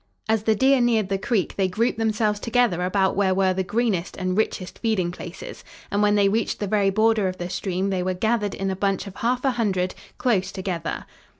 As the deer neared the creek they grouped themselves together about where were the greenest and richest feeding places, and when they reached the very border of the stream they were gathered in a bunch of half a hundred, close together.